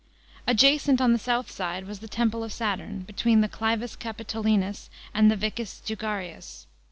Adjacent on the south side was tl>e Temple of Saturn, between the Clivus Capitoli nns and the Vicus Jugarius.